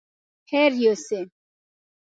خير يوسې!